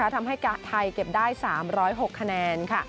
ทำให้ไทยเก็บได้๓๐๖คะแนน